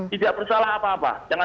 tidak bersalah apa apa